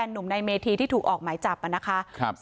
หนุ่มในเมธีที่ถูกออกหมายจับนะคะ